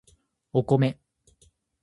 お米